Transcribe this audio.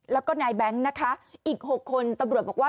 แล้วก็นายแบงค์นะคะอีก๖คนตำรวจบอกว่า